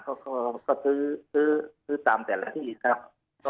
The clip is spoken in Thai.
เขาก็ซื้อตามแต่ละที่ครับ